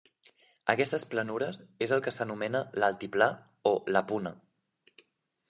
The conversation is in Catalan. Aquestes planures és el que s'anomena l'Altiplà o la Puna.